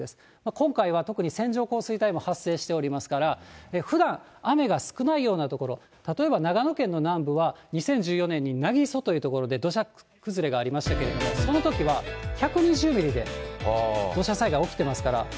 今回は特に線状降水帯も発生しておりますから、ふだん雨が少ないような所、例えば長野県の南部は、２０１４年に南木曽というところで土砂崩れがありましたけれども、「アタックＺＥＲＯ部屋干し」の新作。